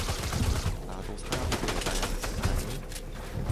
나도 사람이고 여자야, 알았니?